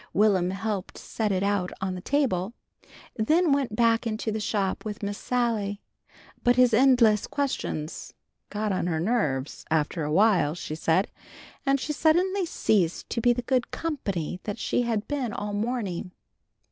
Will'm helped set it out on the table. Then he went back into the shop with Miss Sally. But his endless questions "got on her nerves" after awhile, she said, and she suddenly ceased to be the good company that she had been all morning.